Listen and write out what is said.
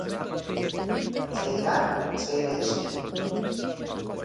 Cheirar, cheira isto.